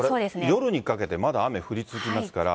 これ、夜にかけてまだ雨降り続きますから。